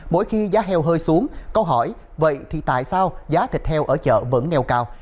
mỗi khi giá heo hơi xuống câu hỏi vậy thì tại sao giá thịt heo ở chợ vẫn neo cao